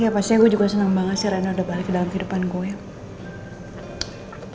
ya pastinya gue juga senang banget sih rena udah balik ke dalam kehidupan gue